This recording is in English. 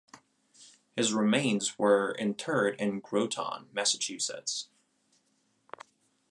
His remains were interred in Groton, Massachusetts.